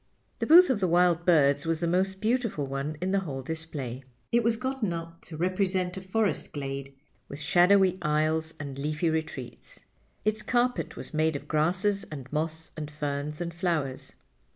The booth of the wild birds was the most beautiful one in the whole display. It was gotten up to represent a forest glade, with shadowy aisles and leafy retreats. Its carpet was made of grasses and moss and ferns and flowers.